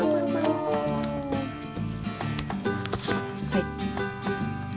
はい。